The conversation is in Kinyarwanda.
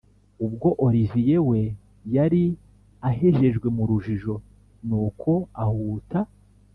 ubwo olivier we yari ahejejwe murujijo nuko ahuta